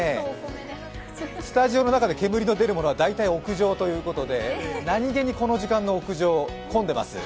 スタジオの中で煙が出るものは大体屋上ということで何げにこの時間の屋上、混んでます。